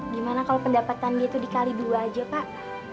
gimana kalau pendapatan dia itu dikali dua aja pak